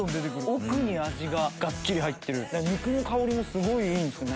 奥に味ががっちり入ってる肉の香りもすごいいいですね。